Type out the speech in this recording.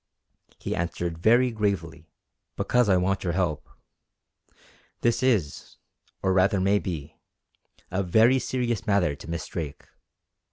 He answered very gravely: "Because I want your help. This is, or rather may be, a very serious matter to Miss Drake.